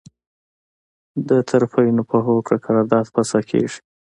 د طرفینو په هوکړه قرارداد فسخه کیږي.